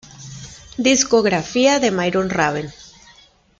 Discografía de Marion Raven